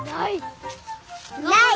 ない！